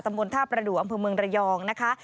บนท่าประดูกอำเภอเมืองระยองนะคะ